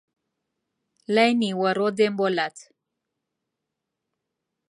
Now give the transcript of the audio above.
لای نیوەڕۆ دێم بۆ لات